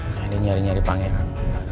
kayaknya dia nyari nyari pangeran